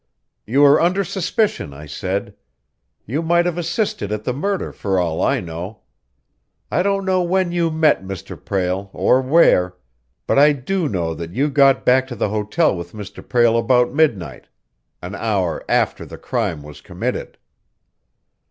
"You are under suspicion, I said. You might have assisted at the murder, for all I know. I don't know when you met Mr. Prale, or where, but I do know that you got back to the hotel with Mr. Prale about midnight an hour after the crime was committed."